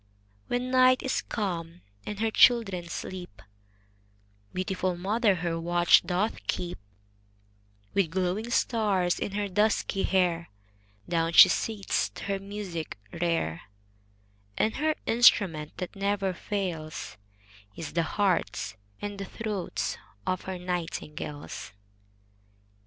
When night is come, and her children sleep, Beautiful mother her watch doth keep; With glowing stars in her dusky hair Down she sits to her music rare; And her instrument that never fails, Is the hearts and the throats of her nightingales.